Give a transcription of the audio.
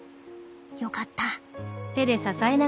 よかった。